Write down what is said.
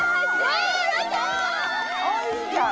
あいいじゃん。